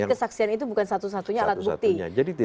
jadi kesaksian itu bukan satu satunya alat bukti